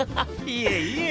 いえいえ。